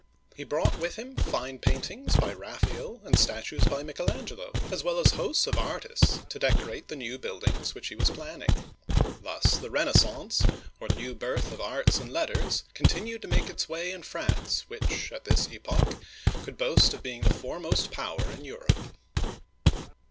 He brought with him fine paintings by Raph'ael, and statues by Michelan'gelo, as well as hosts of artists to decorate the new buildings which he was planning. Thus the Renaissance, or New Birth of arts and letters, con tinued to make its way in France, which, at this epoch, could boast of being the foremost power in Europe.